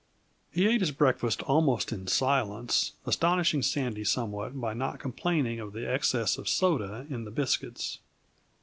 He ate his breakfast almost in silence, astonishing Sandy somewhat by not complaining of the excess of soda in the biscuits.